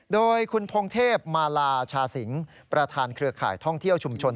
โดยคุณพงเทพมาลาชาสิงศ์ประธานเครือข่ายท่องเที่ยวชุมชน